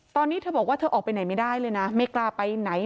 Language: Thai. ตอนนี้เธอบอกว่าเธอออกไปไหนไม่ได้เลยนะไม่กล้าไปไหน